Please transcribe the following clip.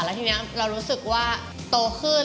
แล้วทีนี้เรารู้สึกว่าโตขึ้น